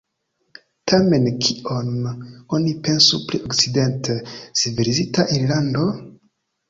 Tamen kion oni pensu pri okcidente civilizita Irlando?